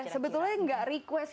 sebetulnya gak request